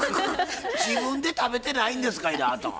自分で食べてないんですかいなあなたは。